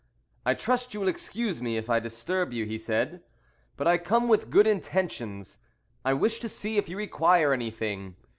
"I trust you will excuse me if I disturb you," he said; "but I come with good intentions. I wish to see if you require anything.